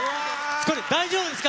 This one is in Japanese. ２人、大丈夫ですか？